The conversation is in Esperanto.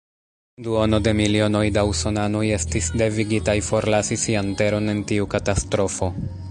Duono de milionoj da usonanoj estis devigitaj forlasi sian teron en tiu katastrofo.